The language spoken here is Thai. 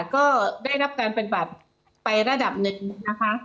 ก็ได้รับการปฏิบัติไประดับหนึ่งนะคะ